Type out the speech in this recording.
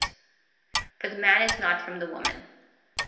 For the man is not from the woman.